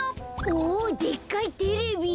おでっかいテレビ。